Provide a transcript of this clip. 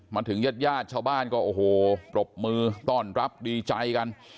ญาติญาติชาวบ้านก็โอ้โหปรบมือต้อนรับดีใจกัน